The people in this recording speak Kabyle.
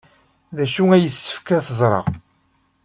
D acu ay yessefk ad t-ẓreɣ?